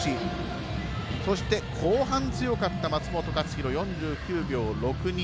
そして、後半に強かった松元克央４９秒６２。